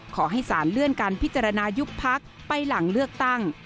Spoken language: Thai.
ขอให้สารเลื่อนการพิจารณายุบพักไปหลังเลือกตั้ง